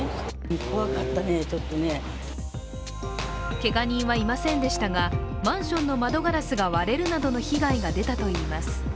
けが人はいませんでしたが、マンションの窓ガラスが割れるなどの被害が出たといいます。